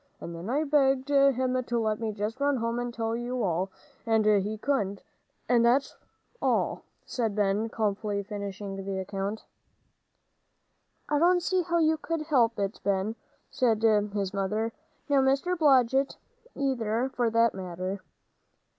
And then I begged him to let me just run home and tell you all, and he couldn't, and that's all," said Ben, calmly finishing the account. "I don't see how you could help it, Ben," said his mother, "nor Mr. Blodgett either, for that matter."